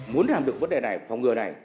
muốn làm được vấn đề này phòng ngừa này